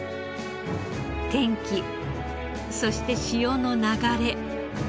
天気そして潮の流れ